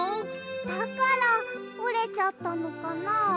だからおれちゃったのかな。